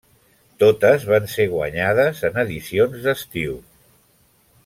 Totes van ser guanyades en edicions d'estiu.